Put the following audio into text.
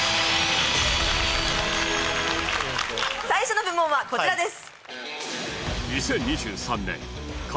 最初の部門はこちらです。